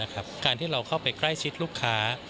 การที่เราเข้าไปใกล้ชิดลูกค้า